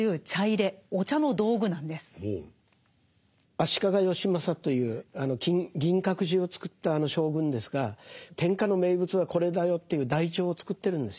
足利義政という銀閣寺をつくった将軍ですが天下の名物はこれだよという台帳を作ってるんですよ。